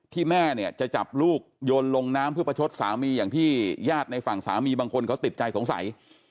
แม่เนี่ยจะจับลูกโยนลงน้ำเพื่อประชดสามีอย่างที่ญาติในฝั่งสามีบางคนเขาติดใจสงสัย